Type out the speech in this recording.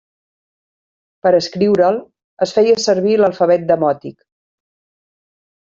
Per a escriure'l, es feia servir l'alfabet demòtic.